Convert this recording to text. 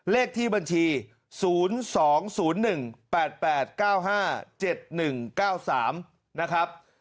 เลขที่บัญชี๐๒๐๑๘๘๙๕๗๑๙๓นะครับ